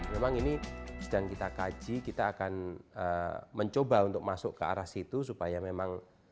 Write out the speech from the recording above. memang ini sedang kita kaji kita akan mencoba untuk masuk ke arah situ supaya memang